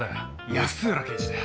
安浦刑事だよ！